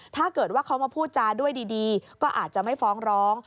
ถ้าเกิดว่าเขามาพูดจาด้วยดีก็อาจจะไม่ฟ้องร้อง